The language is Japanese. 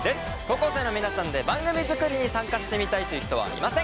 高校生の皆さんで番組作りに参加してみたいという人はいませんか？